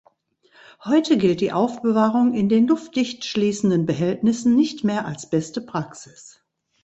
Heute gilt die Aufbewahrung in den luftdicht schließenden Behältnissen nicht mehr als beste Praxis.